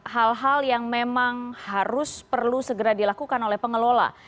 hal hal yang memang harus perlu segera dilakukan oleh pengelola